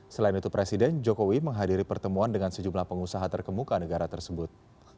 selain itu presiden jokowi menghadiri pertemuan dengan sejumlah pengusaha terkemuka negara tersebut